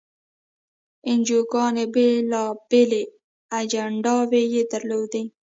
انجیوګانې بېلابېلې اجنډاوې یې درلودې.